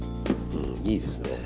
いいですね。